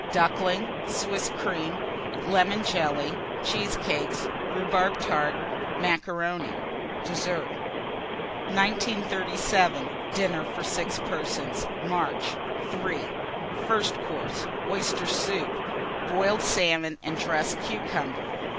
Ducklings. Swiss Cream. Lemon Jelly. Cheesecakes. Rhubarb Tart. Macaroni. Dessert. 1937. DINNER FOR 6 PERSONS (March). III. FIRST COURSE. Oyster Soup. Boiled Salmon and dressed Cucumber.